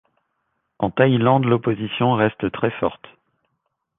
En Thaïlande l’opposition reste très forte.